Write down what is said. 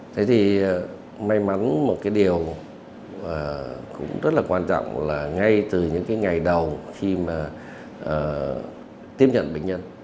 thế thì may mắn một cái điều cũng rất là quan trọng là ngay từ những cái ngày đầu khi mà tiếp nhận bệnh nhân